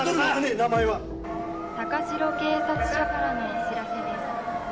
名前は高白警察署からのお知らせです